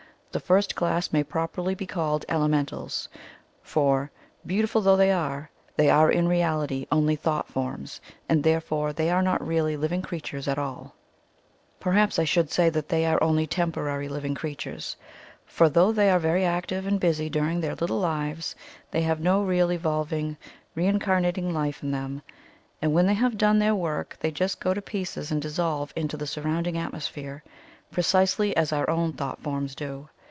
The first class may properly be called elementals, for, beautiful though they are, they are in reality only thought forms, and therefore they are not really liv ing creatures at all. Perhaps I should rather say that they are only temporary liv ing creatures, for, though they are very active and busy during their little lives, they have no real evolving, reincarnating life in them, and when they have done their work they just go to pieces and dissolve into the surrounding atmosphere, precisely as our own thought forms do.